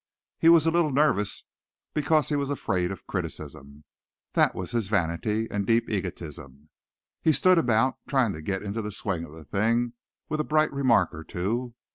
He was a little nervous because he was afraid of criticism. That was his vanity and deep egotism. He stood about, trying to get into the swing of the thing with a bright remark or two.